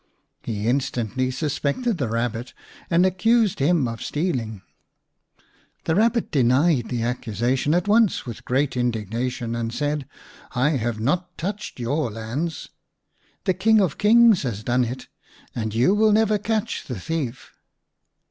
He instantly suspected the Kabbit, and accused him of stealing. The Kabbit denied the accusation at once with great indignation, and said, " I have not touched your lands. The King of Kings has done it, and you will never catch the thief."